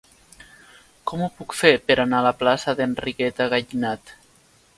Com ho puc fer per anar a la plaça d'Enriqueta Gallinat?